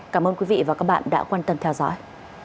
cảm ơn quý vị và các bạn đã quan tâm theo dõi